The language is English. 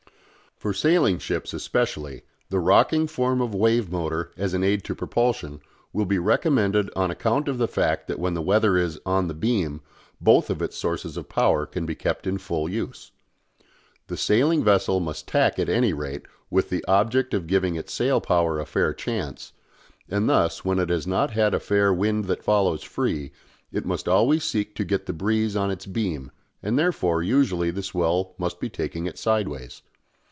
For sailing ships especially, the rocking form of wave motor as an aid to propulsion will be recommended on account of the fact that when the weather is "on the beam" both of its sources of power can be kept in full use. The sailing vessel must tack at any rate with the object of giving its sail power a fair chance, and thus, when it has not a fair "wind that follows free," it must always seek to get the breeze on its beam, and therefore usually the swell must be taking it sideways.